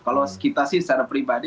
kalau kita sih secara pribadi